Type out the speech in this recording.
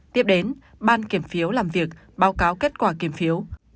tiếp đến ban kiểm phiếu làm việc báo cáo kết quả kiểm phiếu